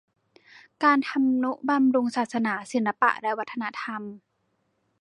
การทำนุบำรุงศาสนา ศิลปะและวัฒนธรรม